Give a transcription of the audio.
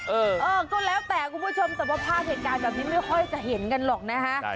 เออก็แล้วแต่คุณผู้ชมแต่ว่าภาพเหตุการณ์แบบนี้ไม่ค่อยจะเห็นกันหรอกนะฮะ